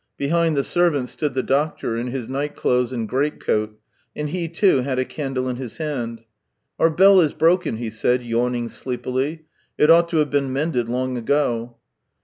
Behind the servant stood the doctor, in his night clothes and greatcoat, and he, too, had a candle in his hand. " Our bell is broken," he said, yawning sleepily. "It ought to have been mended long ago."